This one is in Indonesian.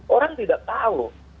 orang tidak tahu